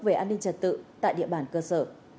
về an ninh trật tự tại địa bàn cơ sở